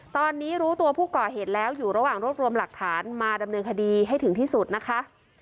ตอนนี้รู้ตัวผู้ก่อเหตุแล้วอยู่ระหว่างรวบรวมหลักฐานมาดำเนินคดีให้ถึงที่สุดนะคะ